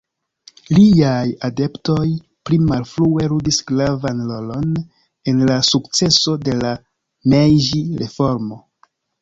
Liaj adeptoj pli malfrue ludis gravan rolon en la sukceso de la Mejĝi-reformo.